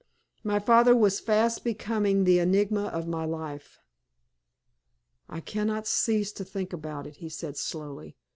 My father was fast becoming the enigma of my life. "I cannot cease to think about it," he said, slowly.